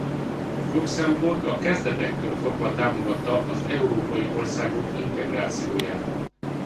Luxemburg a kezdetektől fogva támogatta az európai országok integrációját.